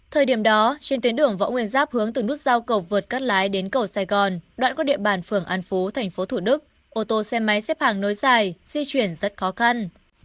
thời điểm đó trên tuyến đường võ nguyên giáp hướng từ nút giao cầu vượt cắt lái đến cầu sài gòn đoạn qua địa bàn phường an phú tp thủ đức ô tô xe máy xếp hàng nối dài di chuyển rất khó khăn